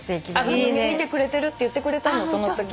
見てくれてるって言ってくれたのそのとき。